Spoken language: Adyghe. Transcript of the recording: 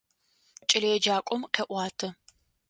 Кӏэлэеджакӏом къеӏуатэ.